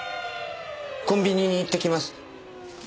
コンビニに行ってきます。